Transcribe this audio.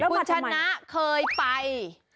คุณชนะเคยไป